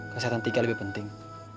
kesehatan tika lebih penting